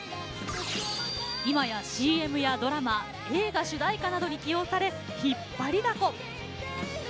今やＣＭやドラマ映画主題歌などに起用され引っ張りだこ。